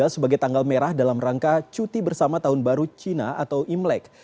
sebagai tanggal merah dalam rangka cuti bersama tahun baru cina atau imlek